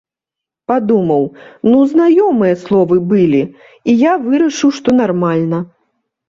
Падумаў, ну, знаёмыя словы былі, і я вырашыў, што нармальна.